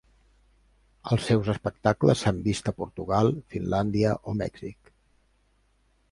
Els seus espectacles s’han vist a Portugal, Finlàndia o Mèxic.